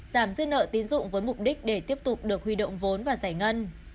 giảm dứt nợ tiến dụng với mục đích để tiếp tục được huy động vốn và giải ngân